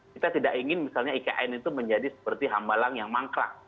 kita tidak ingin misalnya ikn itu menjadi seperti hambalang yang mangkrak